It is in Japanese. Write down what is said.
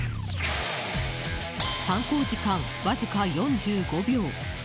犯行時間わずか４５秒。